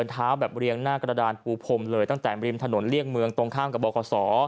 แบบเรียงหน้ากระดานปูพรมเลยตั้งแต่ริมถนนเลี่ยงเมืองตรงข้ามกับบคศ